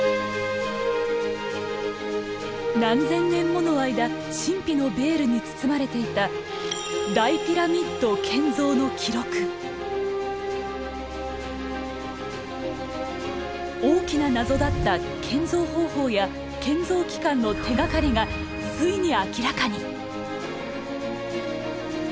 何千年もの間神秘のベールに包まれていた大きな謎だった「建造方法」や「建造期間」の手がかりがついに明らかに。